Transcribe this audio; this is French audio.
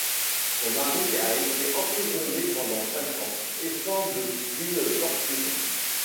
Son mari a été emprisonné pendant cinq ans, et semble-t-il torturé.